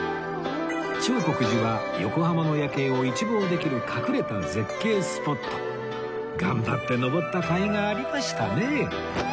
長谷寺は横浜の夜景を一望できる隠れた絶景スポット頑張って上ったかいがありましたね